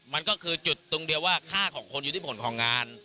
มันก็คือจุดตรงเดียวว่าค่าของคนอยู่ที่ผลของงาน